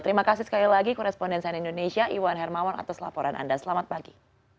terima kasih sekali lagi korespondensian indonesia iwan hermawan atas laporan anda selamat pagi